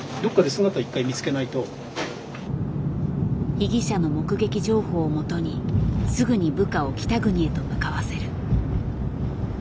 被疑者の目撃情報をもとにすぐに部下を北国へと向かわせる。